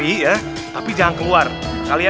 gak dapet anak anak itu